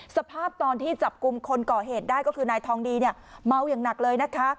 สภาพตอนที่จับกลุ่มคนก่อเหตุได้ก็คือนายทองดีเนี่ยเมาอย่างหนักเลยนะคะ